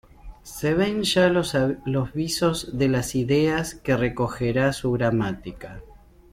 Se ven ya los visos de las ideas que recogerá su gramática.